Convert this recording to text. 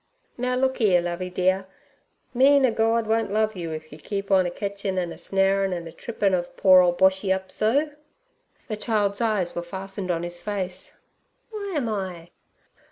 'Now look 'ere, Lovey dear, me nur Gord won't love you if you keep on a ketchin' an' a snarin' an' a trippin' ov poor ole Boshy up so.' The child's eyes were fastened on his face: 'W'y am I?'